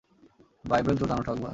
Bible চোদানো ঠকবাজ।